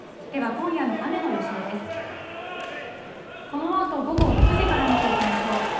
このあと午後６時から見ていきましょう。